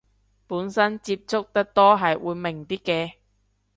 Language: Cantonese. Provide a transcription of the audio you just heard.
本身接觸得多係會明啲嘅